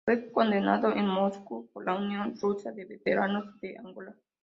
Fue condecorado en Moscú por la Unión Rusa de Veteranos de Angola.